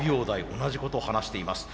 同じことを話しています。